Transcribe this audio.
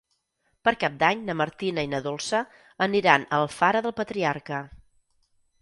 Per Cap d'Any na Martina i na Dolça aniran a Alfara del Patriarca.